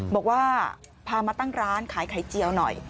บอกว่าพามาตั้งร้านขายไข่เจียวหน่อย